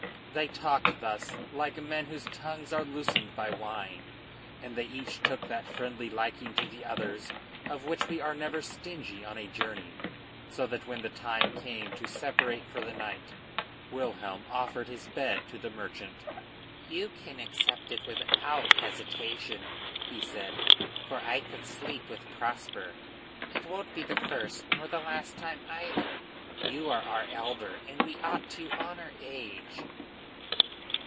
They talked thus like men whose tongues are loosened by wine, and they each took that friendly liking to the others of which we are never stingy on a journey; so that when the time came to separate for the night, Wilhelm offered his bed to the merchant. "You can accept it without hesitation," he said, "for I can sleep with Prosper. It won't be the first, nor the last time either. You are our elder, and we ought to honor age!"